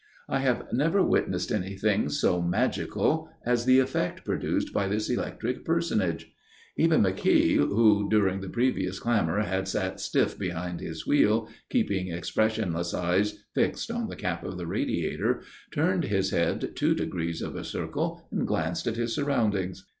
I have never witnessed anything so magical as the effect produced by this electric personage. Even McKeogh, who during the previous clamour had sat stiff behind his wheel, keeping expressionless eyes fixed on the cap of the radiator, turned his head two degrees of a circle and glanced at his surroundings.